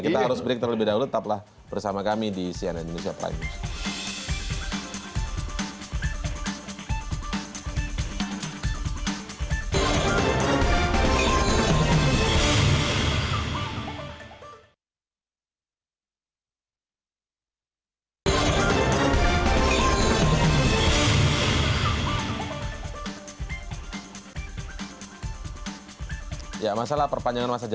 kita harus break terlebih dahulu tetaplah bersama kami di cnn indonesia prime news